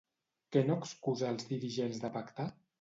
Què no excusa als dirigents de pactar?